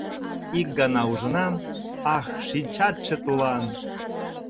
Ик гана ужынам — Ах, шинчатше тулан!